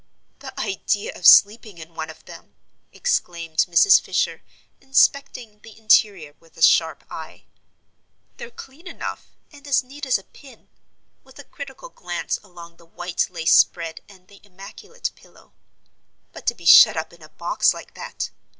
"The idea of sleeping in one of them!" exclaimed Mrs. Fisher, inspecting the interior with a sharp eye. "They're clean enough and as neat as a pink" with a critical glance along the white lace spread and the immaculate pillow "but to be shut up in a box like that.